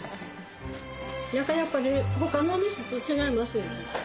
やっぱりねほかの店と違いますよね。